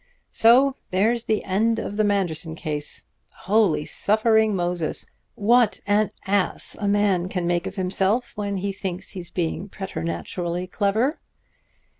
So there's the end of the Manderson case. Holy, suffering Moses! What an ass a man can make of himself when he thinks he's being preternaturally clever!"